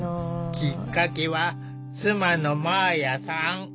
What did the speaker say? きっかけは妻の麻綾さん。